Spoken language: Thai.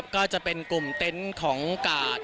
ก็จะเป็นกลุ่มเต็นต์ของกาด